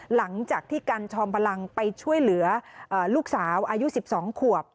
หลังจากที่กันจอมพลังไปช่วยเหลือลูกสาวอายุ๑๒ขวบ